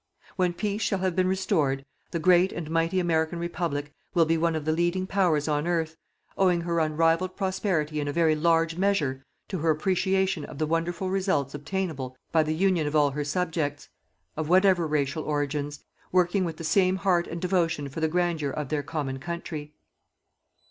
When peace shall have been restored, the great and mighty American Republic will be one of the leading Powers on earth, owing her unrivalled prosperity in a very large measure to her appreciation of the wonderful results obtainable by the union of all her subjects, of whatever racial origins, working with the same heart and devotion for the grandeur of their common country.